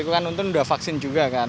itu kan untung sudah vaksin juga kan